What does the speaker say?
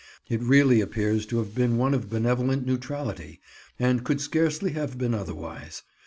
It really appears to have been one of benevolent neutrality, and could scarcely have been otherwise.